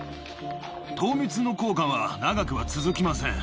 糖蜜の効果は、長くは続きません。